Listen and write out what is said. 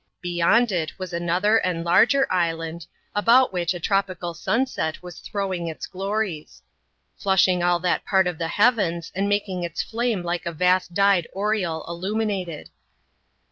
Beyond it was another and larger island, about which a tropical sunset was throwing its glories ; flushing all that part of the heavens, and making its flame like a vast dyed oriel illuminated.